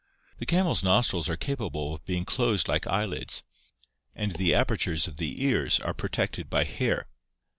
The cam el's nostrils are capa ble of being closed like eyelids, and the apertures of the ears are protected by hair.